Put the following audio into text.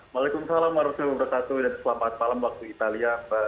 waalaikumsalam warahmatullahi wabarakatuh dan selamat malam waktu italia